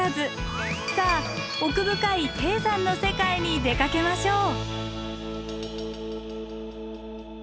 さあ奥深い低山の世界に出かけましょう。